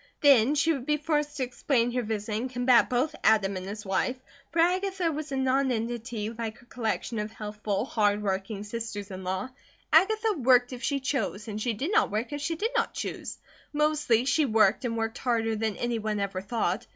Then she would be forced to explain her visit and combat both Adam and his wife; for Agatha was not a nonentity like her collection of healthful, hard working sisters in law. Agatha worked if she chose, and she did not work if she did not choose. Mostly she worked and worked harder than any one ever thought.